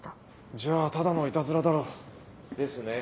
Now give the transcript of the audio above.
じゃあただのいたずらだろう。ですね。